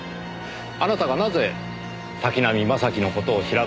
あなたがなぜ滝浪正輝の事を調べていたのか。